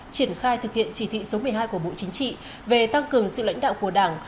triển khai thực hiện chỉ thị số một mươi hai của bộ chính trị về tăng cường sự lãnh đạo của đảng